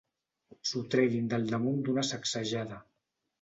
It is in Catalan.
S'ho treguin del damunt d'una sacsejada.